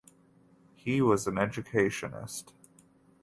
He was an Educationist.